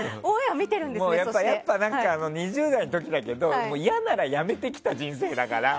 やっぱり、２０代の時だけど嫌ならやめてきた人生だから。